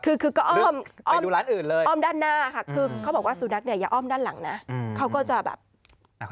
คือคือก็อ้อมไปดูร้านอื่นเลยอ้อมด้านหน้าค่ะคือเขาบอกว่าสุนัขเนี่ยอย่าอ้อมด้านหลังนะเขาก็จะแบบ